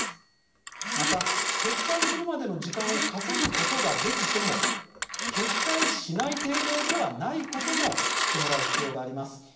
また決壊するまでの時間を稼ぐことができても決壊しない堤防ではないことも知ってもらう必要があります。